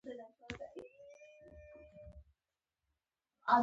هر چا چې دا ظلم کړی ډېر بد یې کړي دي.